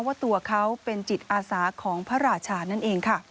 ว่าตัวเขาเป็นจิตอาสาของพระราชานั่นเองค่ะ